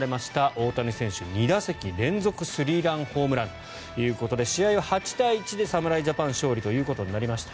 大谷選手、２打席連続スリーランホームランということで試合は８対１で侍ジャパン勝利ということになりました。